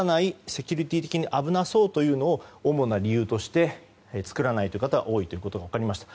セキュリティー的に危なそうというのを主な理由として作らないという方は多いということが分かりました。